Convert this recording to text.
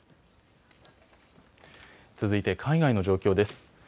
続いて海外の状況です。